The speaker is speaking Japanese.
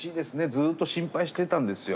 ずっと心配していたんですよ。